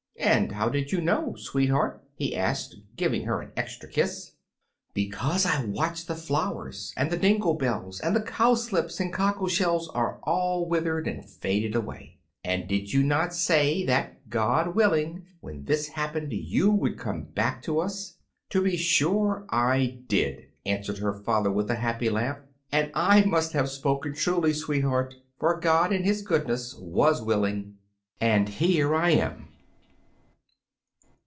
"And how did you know, sweetheart?" he asked, giving her an extra kiss. "Because I watched the flowers; and the dingle bells and cowslips and cockle shells are all withered and faded away. And did you not say that, God willing, when this happened you would come back to us?" "To be sure I did," answered her father, with a happy laugh; "and I must have spoken truly, sweetheart, for God in His goodness was willing, and here I am!"